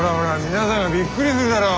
皆さんがびっくりするだろう。